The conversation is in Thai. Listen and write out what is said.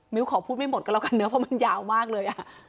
มิวขอพูดไม่หมดกันแล้วกันเนี่ยเพราะมันยาวมากเลย